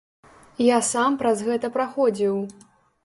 Я сам праз гэта праходзіў.